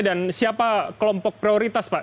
dan siapa kelompok prioritas pak